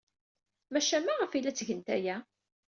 Maca maɣef ay la ttgent aya?